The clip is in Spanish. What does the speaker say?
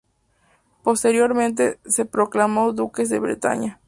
Posteriormente se proclamaron duques de Bretaña.